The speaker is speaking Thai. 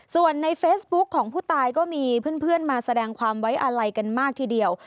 ส่วนในเฟซบุ๊คของผู้ตายก็มีเพื่อนมาแสดงความไว้อาลัยกันมากทีเดียว